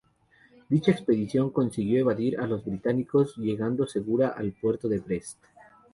Dicha expedición consiguió evadir a los británicos, llegando segura al puerto de Brest.